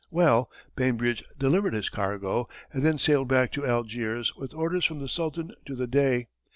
Well, Bainbridge delivered his cargo, and then sailed back to Algiers with orders from the Sultan to the Dey.